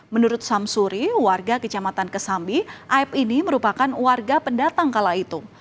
menurut samsuri warga kecamatan kesambi aib ini merupakan warga pendatang kala itu